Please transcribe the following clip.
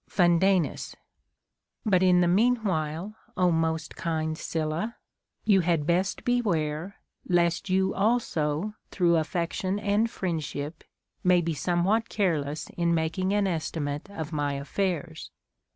FuNDANus. But in the mean while, Ο most kind Sylla, you had best beware, lest you also through affection and friendship may be somewhat careless in making an esti mate of my affairs.